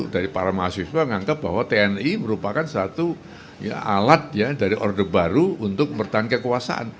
dari para mahasiswa menganggap bahwa tni merupakan satu alat ya dari orde baru untuk bertahan kekuasaan